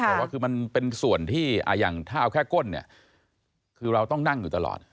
แต่ว่าคือมันเป็นส่วนที่อย่างถ้าเอาแค่ก้นเนี่ยคือเราต้องนั่งอยู่ตลอด